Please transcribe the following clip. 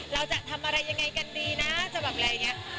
เราจะทำอะไรยังไงกันดีนะจะแบบอะไรอย่างนี้